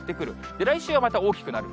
で、来週はまた大きくなる。